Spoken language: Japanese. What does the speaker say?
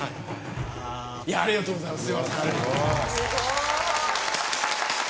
ありがとうございます。